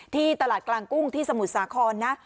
ที่ตลาดกลางกุ้งที่สมุทรสาครนะ